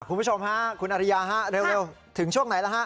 คุณผู้ชมฮะคุณอริยาฮะเร็วถึงช่วงไหนแล้วฮะ